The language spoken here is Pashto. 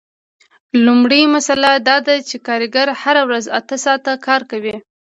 لومړۍ مسئله دا ده چې کارګر هره ورځ اته ساعته کار کوي